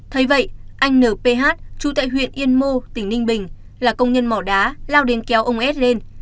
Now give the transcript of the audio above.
thế vậy anh nph trú tại huyện yên mô tỉnh ninh bình là công nhân mỏ đá lao đến kéo ông s lên